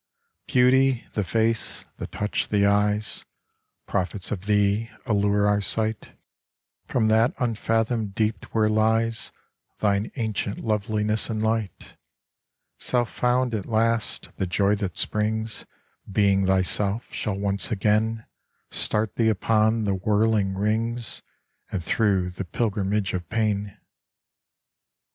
Beauty, the face, the touch, the eyes, Prophets of thee, allure our sight From that unfathomed deep where lies Thine ancient loveliness and light. Self found at last, the joy that springs Being thyself, shall once again Start thee upon the whirling rings And through the pilgrimage of pain.